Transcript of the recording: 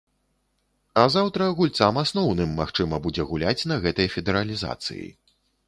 А заўтра гульцам асноўным магчыма будзе гуляць на гэтай федэралізацыі.